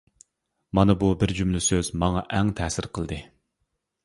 مانا بۇ بىر جۈملە سۆز ماڭا ئەڭ تەسىر قىلدى.